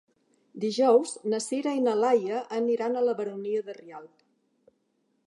Dijous na Sira i na Laia aniran a la Baronia de Rialb.